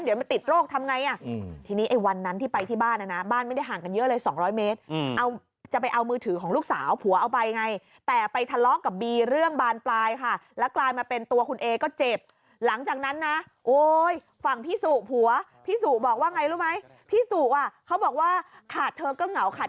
เดี๋ยวมันติดโรคทำไงอ่ะทีนี้ไอ้วันนั้นที่ไปที่บ้านนะนะบ้านไม่ได้ห่างกันเยอะเลย๒๐๐เมตรเอาจะไปเอามือถือของลูกสาวผัวเอาไปไงแต่ไปทะเลาะกับบีเรื่องบานปลายค่ะแล้วกลายมาเป็นตัวคุณเอก็เจ็บหลังจากนั้นนะโอ้ยฝั่งพี่สุผัวพี่สุบอกว่าไงรู้ไหมพี่สุอ่ะเขาบอกว่าขาดเธอก็เหงาขาด